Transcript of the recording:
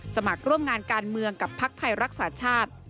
สมัครร่วมงานการเมืองกับภักดิ์ไทยรักษาชาติ